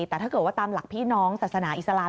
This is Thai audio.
แต่ถ้าเกิดว่าตามหลักพี่น้องศาสนาอิสลาม